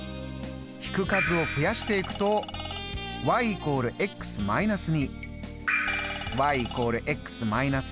引く数を増やしていくとそうです。